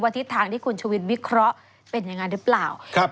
วันทิศทางที่คุณชวินวิเคราะห์เป็นอย่างไรหรือเปล่า